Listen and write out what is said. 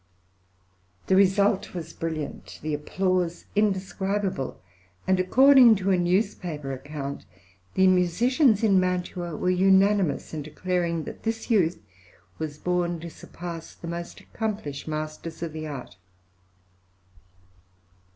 } (110) The result was brilliant, the applause indescribable, and, according to a newspaper account, the musicians in Mantua were unanimous in declaring that this youth was born to surpass the most accomplished masters of the art.